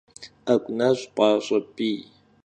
'egu neş' paş'e p'iy.